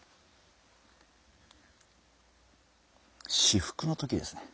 至福の時ですね。